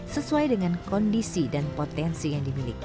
sesuai dengan kondisi dan potensi yang dimiliki